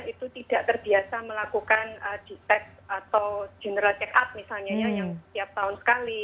itu tidak terbiasa melakukan detect atau general check up misalnya ya yang setiap tahun sekali